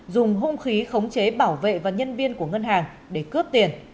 dùng hung khí khống chế bảo vệ và nhân viên của ngân hàng để cướp tiền